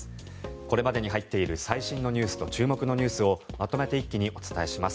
これまでに入っている最新ニュースと注目ニュースをまとめて一気にお伝えします。